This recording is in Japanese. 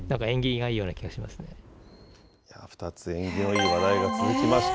２つ縁起のいい話題が続きました。